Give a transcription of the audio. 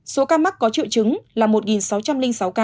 số ca mắc có triệu chứng là một sáu trăm linh sáu ca